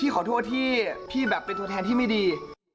ขอโทษที่พี่แบบเป็นตัวแทนที่ไม่ดี